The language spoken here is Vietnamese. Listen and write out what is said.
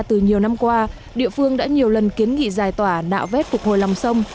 từ nhiều năm qua địa phương đã nhiều lần kiến nghị giải tỏa nạo vét phục hồi lòng sông